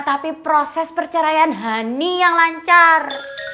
tapi proses perceraian honey yang lancar